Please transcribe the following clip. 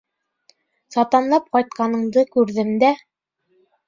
— Сатанлап ҡайтҡаныңды күрҙем дә.